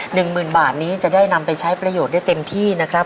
หนึ่งหมื่นบาทนี้จะได้นำไปใช้ประโยชน์ได้เต็มที่นะครับ